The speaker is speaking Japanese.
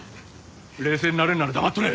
冷静になれんなら黙っとれ！